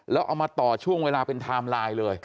แล้วเอามาต่อช่วงเวลาเป็นไทม์ไลน์เลย